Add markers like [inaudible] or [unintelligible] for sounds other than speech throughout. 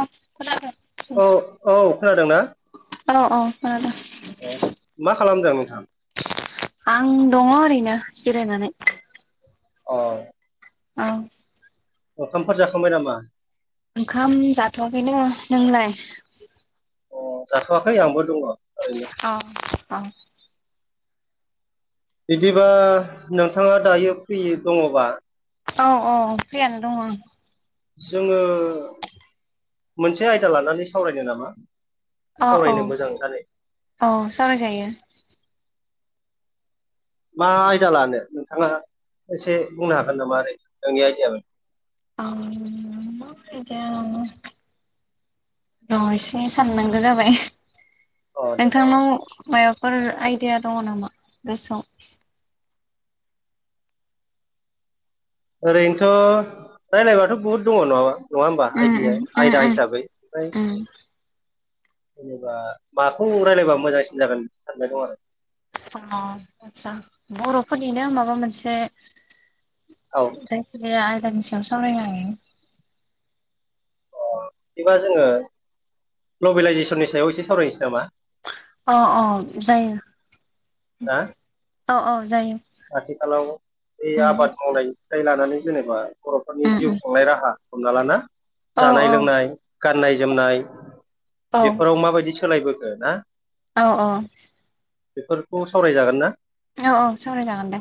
औ खोनादों बुं औ औ खोनादोंना औ औ खोनादों अ मा खालामदों नोंथां आं दङ ओरैनो जिरायनानै अ औ ओंखामफोर जाखांबाय नामा ओंखाम जाथ'वाखैनो नोंलाय अ जाथ'वाखै आंबो दङ ओरै अ औ बिदिबा नोंथाङा दायो फ्रि दङबा औ औ फ्रियानो दङ आं जोङो मोनसे आयदा लानानै सावरायनो नामा? औ औ सावरायनो मोजां ओंखारो औ सावरायजायो। मा आयदा लानो नोंथाङा एसे बुंनो हागोन नामा ओरै नोंनि आयडिया बायदि औ माबोरै दं [unintelligible] र' एसे साननांगौ जाबाय अ नोंथांनाव माबाफोर आइडिया दङ नामा गोसोआव ओरैनोथ' रायज्लायबाथ' बुहुद दङ नङाबा नङा होमबा उम आयडि उम उम आयदा उम हिसाबै ओमफ्राय उम जेनेबा माखौ रायलायबा मोजांसिन जागोन सानबाय दं आरो अ आदसा बर'फोरनिनो माबा मोनसे औ जे आयदानि सायाव सावरायनो हायो। बिदिबा जोङो ग्लबेलाइजेसननि सायाव एसे सावरायनोसै नामा? अ अ जायो। ना औ औ जायो। आथिखालाव बै उम आबाद मावनायनिफ्राय लानानै जेनेबा बर'फोरनि उम जिउ उम खुंनाय राहा हमना लाना औ जानाय लोंनाय गाननाय जोमनाय औ बेफोराव माबायदि सोलायबोखो ना। औ औ बेफोरखौ सावरायजागोन ना? औ औ सावराय जागोन दे।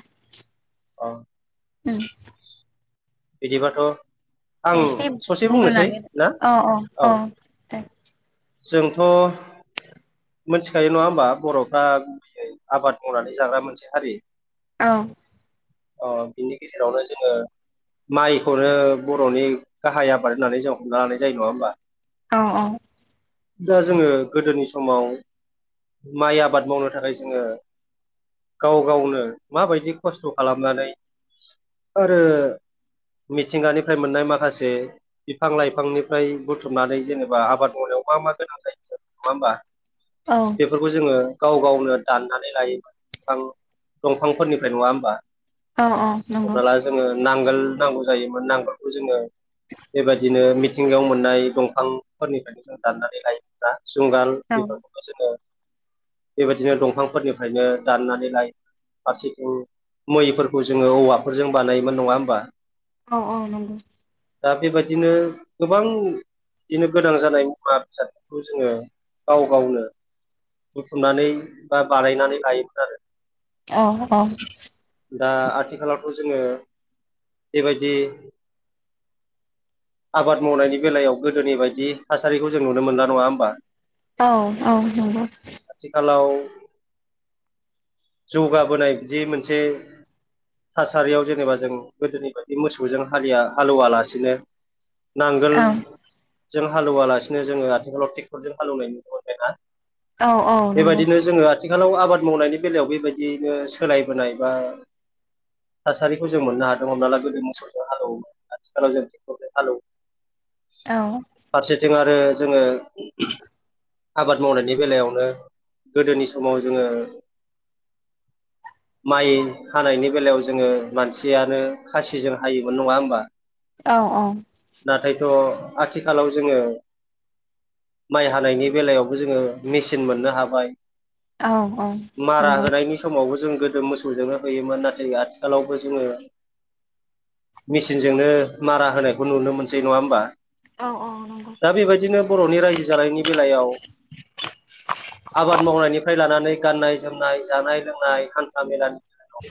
अ उम बिदिबाथ' आं एसे ससे बुंनोसै बुंग्रोनानै ना औ औ दे जोंथ' मिथिखायो नङा होमबा बर'फ्रा गुबैयै आबाद मावनानै जाग्रा मोनसे हारि। औ अ बिनि गेजेरावनो जोङो माइखौनो बर'नि गाहाय आबाद होननानै जों हमना लानाय जायो नङा होमबा औ औ दा जोङो गोदोनि समाव माइ आबाद मावनो थाखाय जोङो गाव गावनो माबायदि खस्थ' खालामनानै आरो मिथिंगानिफ्राय मोननाय माखासे बिफां लाइफांनिफ्राय बुथुमनानै जेनेबा आबाद मावनायाव मा मा गोनां जायो नङा होमबा औ बेफोरखौ जोङो गाव गावनो दाननानै लायोोमां दंफांफोरनिफ्राय नङा होमबा? औ औ नंगौ हमना ला जोङो नांगोल नांगौ जायोमोन नांगोलखौ जोङो बेबायदिनो मिथिंगायाव मोननाय दंफांफोरनिफ्रायनो जों दाननानै लाइफ्रा जुंगाल औ बेफोरखौबो जोङो बेबायदिनो दंफांफोरनिफ्रायनो दाननानै लायो। फारसेथिं मैफोरखौ जोङो औवाफोरजों बानायोमोन नङा होमबा? औ औ नंगौ दा बेबायदिनो गोबां बिदिनो गोनां जानाय मुवा बेसादफोरखौ जोङो गाव गावनो बुथुमनानै बा बानायनानै लायोमोन आरो। अ अ दा आथिखालावथ' जोङो बेबायदि आबाद मावनायनि बेलायाव गोदोनि बायदि थासारिखौ जों नुनो मोनला नङा होमबा? औ औ नंगौ आथिखालाव जौगाबोनाय बिदि मोनसे थासारियाव जेनेबा जों गोदोनि बायदि मोसौजों हलिया हालेवा लासिनो औ नांगोलजों हालेवालासिनो जोङो आथिखालाव ट्रेक्टरजों हालेवनाय नुनो मोनबायना? औ औ नंगौ बेबायदिनो जोङो आरो आथिखालाव आबाद मावनायनि बेलायाव बेबायदिनो सोलायबोनाय बा थासारिखौ जों मोननो हादों हमना ला गोदो मोसौजों हालौ आथिखालाव जि हाल औ फारसेथिं आरो जोङो आबाद मावनायनि बेलायावनो गोदोनि समाव जोङो [inaudible] माइ हानायनि बेलायाव जोङो मानसियानो खासिजों हायोमोन नङा होमबा? औ औ नाथायथ' आथिखालाव जोङो माइ हानायनि बेलायावबो जोङो मेचिन मोननो हाबाय। मारा होनायनि समावबो जों गोदो मोसौजोंनो होयोमोन नाथाय आथिखालावबो जोङो मेसिनजोंनो मारा होनायखौ नुनो मोनसै नङा होमबा? औ औ नंगौ दा बेबायदिनो बर'नि रायजो जानायनि बेलायाव आबाद मावनायनिफ्राय लानानै गाननाय जोमनाय जानाय लोंनाय हान्था मेला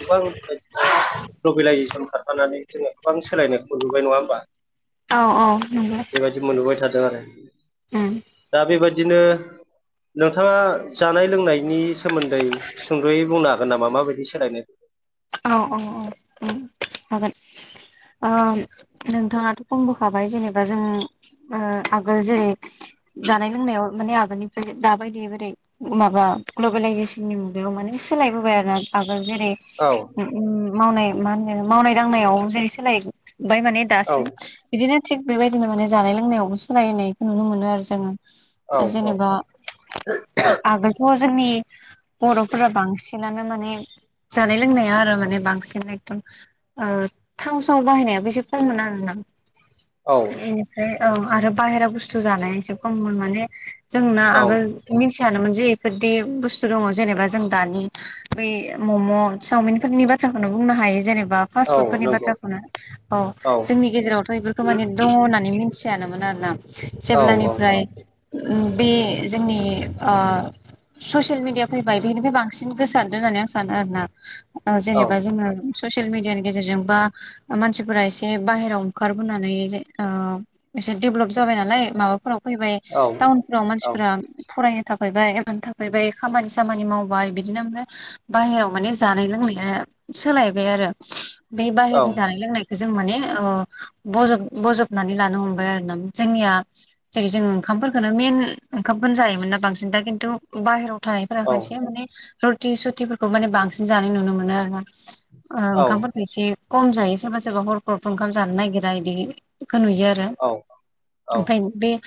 गोबां बेबायदिनो ग्लबेलाइजेसन खारफानानै जोङो गोबां सोलायनायखौ नुबाय नङा होमबा? औ औ नंगौ। बेबायदि मोनबोबाय थादों आरो ओम दा बेबायदिनो नोंथाङा जानाय लोंनायनि सोमोन्दै सुंद्र'यै बुंनो हागोन नामा माबायदि सोलायनो औ औ औ हागोन नोंथाङाथ' खमबोखाबाय जेनेबा जों आगोल जेरै जानाय लोंनायाव माने आगोलनिफ्राय दाबायदिबायै माबा ग्लबेेलइजेसननि मुगायाव माने सोलायबोबाय आरोोना आगोल जेरै औ मावनाय मा होनो मावनाय दांनायाव जेरै सोलायबाय माने औ दासिम बिदिनो थिग बेबायदिनो माने जानाय लोंनायावबो सोलायनायखौ नुनो मोनो आरो जोङो जेनेबा आगोलथ' जोंनि बर'फोरा बांसिन बिानो माने जानाय लोंनाया आरो आरो माने बांसिन एदम थाव समाव बाहायनायाबो एसे खम मोन आरोना औ बेनिफ्राय औ आरो बाहेरा बुस्थु जानाया एसे खममोन माने जोंना औ आगोल मिथियानोमोन जे बेफोरदि बुस्थु दङ जेनेबा जों दानि बै मम' सावमिन नि बाथ्राखौनो बुंनो हायो जेनेबा बा औ फासफुटनि नंगौ बाथ्रानो औ जोंनि गेजेरावथ' बेफोरखौ माने दङ होननानै मिथियानोमोन आरोना औ औ जेब्लानिफ्राय बे जोंनि ससियेल मिडिया फैबाय बेनिफ्राय बांसिन गोसारदों होननानै आं सानो आरोना औ जेनेबा जोङो ससियेल मिडियानि गेजेरजों बा मानसिफोरा एसे बाहेरायाव ओंखारबोनानै एसे देभेलप जाबाय नालाय माबाफोराव फैबाय औ टाउनफोराव औ मानसिफोरा फरायनो थाफायबाय थाफैबाय खामानि सामानि मावबाय बिदिनो ओमफ्राय बाहेराव माने ज जानाय लोंनाया सोलायबाय आरो बे औ बाहेरनि जानाय लोंनाय जों माने बजब बजबनानै लानो हमबाय आरो ना जोंनिया जेरै जोंङ ओंखामफोरफोरखौनो मेन ओंखामखौनो जायोमोन ना बांसिन दा खिन्थु बाहेराव थानायफोरा औ खायसे माने रुटि सुतफोरखौ माने बांसिन जानाय नुनो मोनो आरो ना औ ओंखामफोरखौ एसे खम जायो सोरबा सोरबा हरफोरावथ ओंखाम जानो नागिरा इदिखौ नुयो आरो ओमफाय बे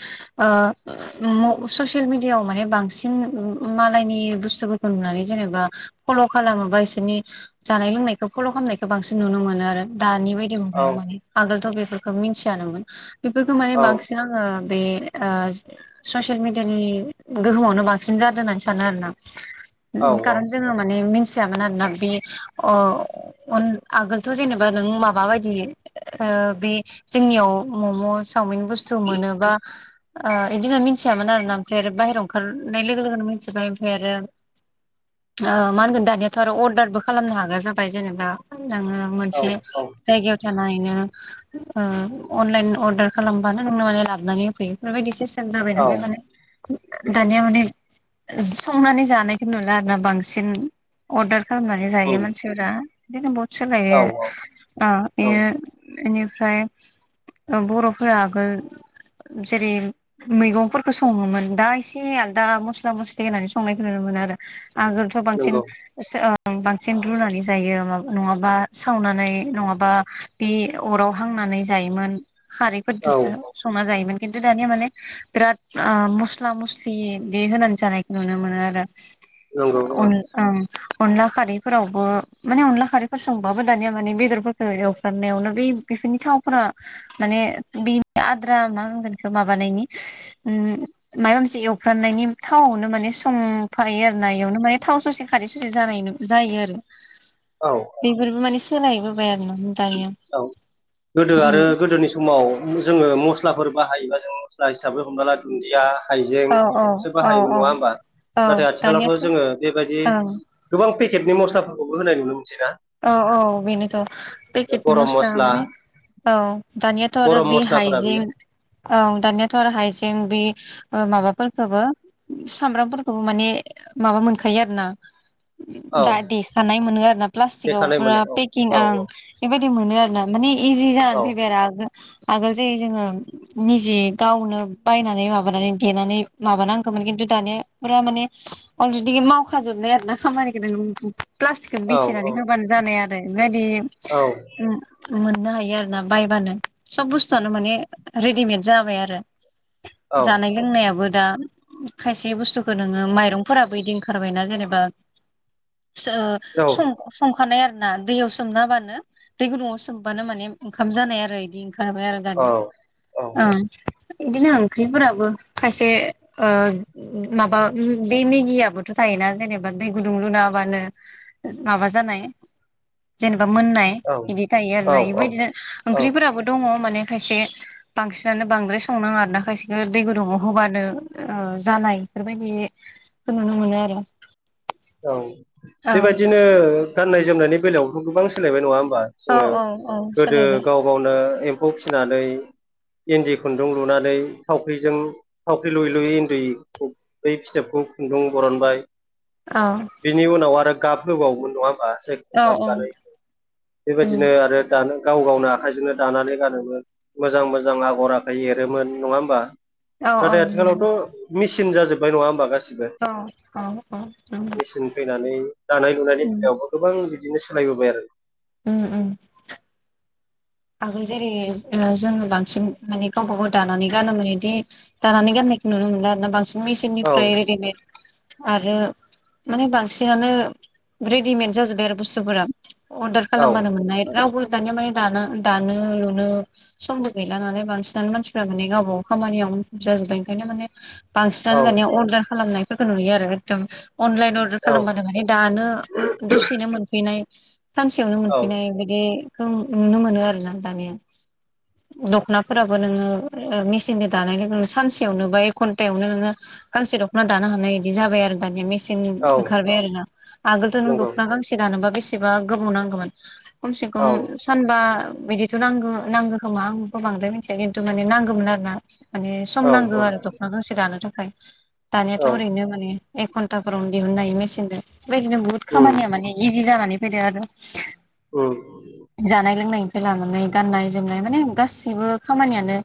ससियेल मिडियाआव माने बांसिन मालायनि बुस्थुफोरखौ नुनानै जेनेबा फल' खालामोबा बिसोरनि जानाय लोंनायखौ फल' खालामनायखौ बांसिन नुनो मोनो आरो दानि बायदि [unintelligible] आगोलथ' बेफोरखौ मिथियामोन बेफोरखौ माने औ बांसिन जोङो बे ससियेल मिडियानि गोहोमावनो बांसिन जादों होननानै सानो आरो ना औ औ खारन जोङो माने मिथियामोन आरोना बे आगोलथ' जेनेबा नों माबा बायदि बे जोंनियाव मम' चावमिन बुस्थु मोनोबा बिदिनो मिथियामोन आरो ना ओमफ्राय आरो बाहहेरायाव ओंखारनाय लोगो लोगोनो मिथिबाय ओमफ्राय आरो मा होनगोन दानियाथ' आरो अर्दारबो खालामनो हागा जाबाय जेनेबा नोङो औ मोनसे औ जायगायाव जाननो अनलाइन अर्दार खालामबानो नोंनो माने लाबानै होफैयो बेबायाददि सिस्टेम जाबाय औ नालाय माने दानिया माने संनानै जानायखौ नुला आरो ना बांसिन अर्डार खालामनानै जायो उम मानसिफोरा बेखायनो बहुद सोलायो औ औ औ बेयो बेनिफ्राय बर'फोरा आगोल जेरै मैगंफोरखौ सङोमोन दा एसे आलदा मस्ला मस्लि होनानै संनायखौ नुनो मोनो आरो आगोलथ' बांसिन नंगौ बांसिन रुनानै जायो म नङाबा सावनानै नङाबा बे अराव हांनानै जायोमोन औ खारैफोरजोंसो संना जायोमोन खिन्थु दानिया माने बिराद मस्ला मस्लि बे होनानै जानायखौ नुनो मोनो आरो औ औ औ अन अनला खारैफोरावबो माने अनला खारैफोर संबाबो दानिया माने बेदर एवफ्रामनायावनो बै बेफोरनि थावफोरा माने बेनि आद्रा मा होनगोन बेखौ माबानायनि उ माबा मोनसे एवफ्राननायनि थावावनो माने संफायो आरो ना बेयावनो माने थाव ससे खारै ससे जानाय जायो आरो औ बेफोरबो माने सोलायबोबाय आरो ना दानिया औ गोदो आरो उम गोदोनि समाव जोङो मस्लाफोर बाहायोबा जों मस्ला हिसाबै हमना ला दुन्दिया हाइजें औ औ बिसोरबो औ हायबो औ नङा होमबा औ नाथाय आथिखालावथ' दानियाथ' जोङो बेबायदि ओं गोबां पेकेटनि मस्लाफोरखौबो होनाय नुनो मोनसै ना औ औ बेनोथ' पेकेटनि मस्ला माने औ दानियाथ' आरो गरम बे मस्लाफोरा हाइजें बेयो औ दानियाथ' आरो हाइजें बे ओ माबाफोरखोबो सामब्रामफोरखोबो माने माबा मोनखायो आरोना औ दा देखानाय मोनो आरोना प्लास्टिकआव देखानाय फुरा मोनो औ पेकिं औ ओं बेबायदि मोनो आरोना माने इजि जानानै औ फैबाय आरो आगोल आगोल जेरै जोङो निजि गावनो बायनानै माबानानै देनानै माबानांगोमोन किनतु दानिया पुरा माने अलरेडि मावखाजोबनाय आरोना खामानि [unintelligible] प्लास्टिकखौ औ बिसिनानै खाबानो जानाय आरो बेबादि औ मोननो हायो आरोना बायबानो सब बुस्थुआनो माने रेडिमेड जाबाय आरो औ जानाय लोंनायाबो दा खायसे बुस्थुखो नोङो माइरंफोराबो इदि ओंखारबायना जेनेबा ओ औ सं संखानाय आरोना दैयाव सोमना होबानो दै गुदुंङआव सोमबानो माने ओंखाम जानाय आरो इदि ओंखारबाय आरो औ दानिया औ ओम इदिनो ओंख्रिफोराबो खायसे ओ माबा बे मेगियाबोथ' थायोना जेनेबा दै गुदुं लुनाहोबानो माबा जानाय जेनेबा मोननाय इदि थायो आरोना बेबायदिनो औ औ ओंख्रिफोराबो दङ' माने खायसे बांसिनानो बांद्राय संनाङा आरोना खायसेखो दै गुदुंङाव होबानो ओ जानाय बेफोरबायदि खो नुनो मोनो आरो औ बेबायदिनो गाननाय-जोमनायनि बेलायावथ' गोबां सोलायबाय नङा होमबा? औ जोङो औ औ गोदो सोलायबाय गाव गावनो एम्फौ फिनानै इन्दि खुन्दुं लुनानै थावख्रिजों थावख्रि लुयै लुयै उन्दै बै फिथोबखौ खुन्दुं बरनबाय अ बिनि उनाव आरो गाब होबावोमोन नङा होमबा जायखौ औ गाब औ गानाय उम बेबायदिनो आरो दानो गाव गावनो आखाइजोंनो दानानै गानोमोन मोजां मोजां आगर आखाइ एरोमोन नङा होमबा? औ औ नाथाय नंगौ आथिखालावथ' मेचिन जाजोबबाय नङा होमबा गासिबो औ औ औ नंगौ मेचिन फैनानै दानाय लुनायनि उम बेलायावबो गोबां बिदिनो सोलायबोबाय आरो ओम ओम आगोल जेरै ओ जोङो बांसिन माने गावबा गाव दानानै गानोमोन इदि दानानै गाननायखौ नुनो मोनला आरोना बांसिन मेसिननिफ्राय रेडिमेड आरो माने बांसिनानो रेडिमेड जाजोब्बाय आरो बुस्थुफोरा अर्दार औ खालामबानो मोननाय रावबो दानिया माने दानो दानो लुनो समबो गैला नालाय बांसिनानो मानसिफ्रा माने गावबाागाव खामानियाव जाजोबबाय ओंखायनो माने औ बांसिनानो दानिया अर्दार खालामनायफोरखौ नुयो आरो एकदम अनलाइन अर औ खालामबानो माने दानो दसेनो मोनफैनाय सानसेयावनो औ मोनफैनाय बिदि खौ नुनो मोनो आरोना दानिया दख'नाफोराबो नोङो मेसिनजों दानाय लोगो लोगो सानसेयावनो बा एक घन्टायावनो नोङो गांसे दख'ना दानो हानाय बिदि जाबाय आरो दानिया मेसिन सिन औ ओंखारबाय आरो ना आगोलथ' नों नंगौ दख'ना गांसे दानोबा बेसेबा गोबाव नांगौमोन खमसे खम औ सानबा बिदिथ' नांगौ नांगौ खोमा आंबो बांद्राय मिथिया खिन्थु माने नांगौमोन आरोना माने सम औ नांगौ आरो दख'ना गांसे दानो थाखाय औ दानियाथ' ओरैनो माने एक घन्टाफोरावनो दिहुननो हायो मेसिनजों बेबायदिनो बुहुत उम खामानिया माने इजि जानानै फैदो आरो औ जानाय-लोंनायनिफ्राय लानानै गाननाय-जोमनाय माने गासिबो खामानियानो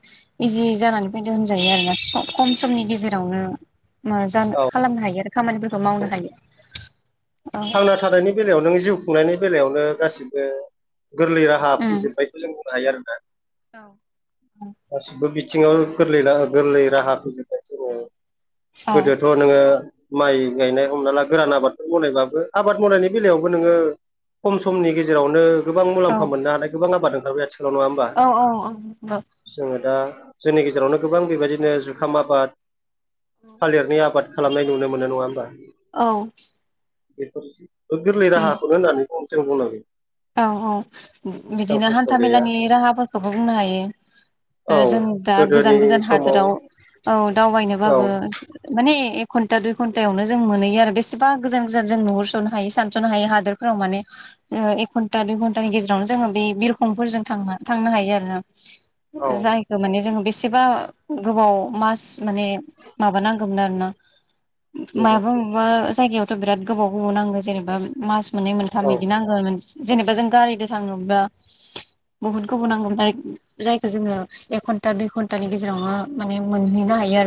इजि जानानै फैदो होनजायो आरो ना खम समनि गेजेरावनो म जानो औ खालामनो हायो आरो खामानिफोरखौ मावनो हायो। औ थांना थानायनि बेलायाव नो जिउ खुंनायनि बेलायावनो गासिबो गोरलै राहा उम फैजोबबाय जों बुंनो हायो आरोना। गासिबो बिथिङाव गोरलै गोरलै राहा फैजोबबाय जोङो औ गोदोथ' नोङो माइ गायनाय हमना ला गोरान आबादखौ बनायबाय आबाद मावनायनि बेलायावबो नोङो खम समनि गेजेरावनो गोबां मुलाम्फा मोननो हानाय गोबां आबाद ओंंखारबाय आथिखालाव नङा होनबा? औ औ औ औ जोङो दा जोंनि गेजेरावनो गोबां बेबायदिनो जुखाम आबाद थालिरनि आबाद खालामनाय नुनो मोननाय नङा होमबा? औ बेफोर गोरलै राहाखौनो होननानै बुं जों बुंनांगोन। औ औ एसेबां बिदिनो खस्थ' गैया हान्थामेलानि राहाफोरखौबो बुंनो हायो। औ जों दा गोदोनि गोजान गोजान समाव हादोराव औ औ दावबायनोबाबो माने घन्टा दुइ घन्टायावनो जों मोनहैयो आरो बेसेबा गोजान गोजान जों नुहरस'नो हायो सानस'नो हायो हादोरफोराव माने एक घन्टा दुइ घन्टानि गेजेरावनो जोङो बे बिरखंफोरजों थां थांनो हायो आरोना। औ जायखौ माने जोङो बेसेबा गोबाव मास माने माबानांगौ गोमनो आरोना नंगौ मायाबा मेबा जायगायावथ' बिराद गोबाव गोबाव नांगो जेनेबा मास मोननै मोनथाम औ बिदि नांगोन जेनेबा जों गारिजों थाङोब्ला बहुत गोबाव नांगौमोन आरो जायखौ जोङो एक घन्टा दुइ घन्टानि गेजेरावनो माने मोनहैनो हायो आरो।